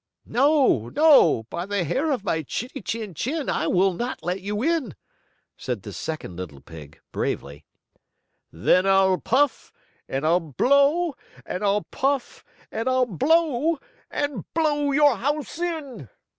"No, no! By the hair on my chinny chin chin I will not let you in," said the second little pig, bravely. "Then I'll puff and I'll blow, and I'll puff and I'll blow, and blow your house in!"